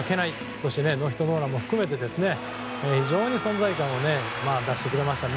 そしてノーヒットノーランも含めて非常に存在感を出してくれましたね。